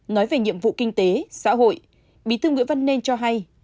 nói về nhiệm vụ kinh tế xã hội bí thư nguyễn văn nên cho hay